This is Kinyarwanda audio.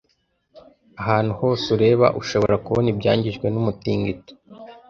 Ahantu hose ureba ushobora kubona ibyangijwe numutingito.